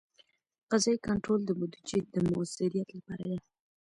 قضایي کنټرول د بودیجې د مؤثریت لپاره دی.